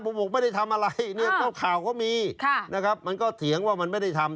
ผมบอกไม่ได้ทำอะไรก็ข่าวก็มีมันก็เถียงว่ามันไม่ได้ทำ